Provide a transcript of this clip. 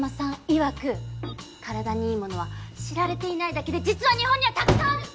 いわく体にいいものは知られていないだけで実は日本にはたくさんある！